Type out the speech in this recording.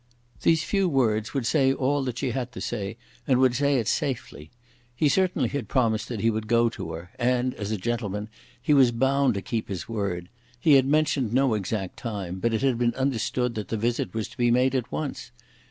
These few words would say all that she had to say, and would say it safely. He certainly had promised that he would go to her, and, as a gentleman, he was bound to keep his word. He had mentioned no exact time, but it had been understood that the visit was to be made at once.